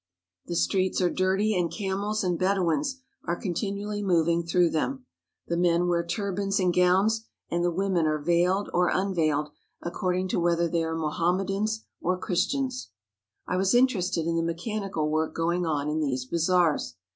The streets are dirty and camels and Bedouins are continually mov ing through them. The men wear turbans and gowns, and the women are veiled or unveiled, according to whether they are Mohammedans or Christians. I was interested in the mechanical work going on in these bazaars.